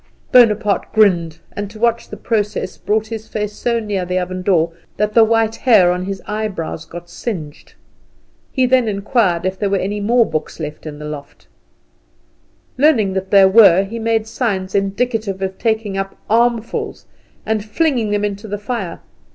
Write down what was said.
Bonaparte grinned, and to watch the process brought his face so near the oven door that the white hair on his eyebrows got singed. He then inquired if there were any more in the loft. Learning that there were, he made signs indicative of taking up armfuls and flinging them into the fire.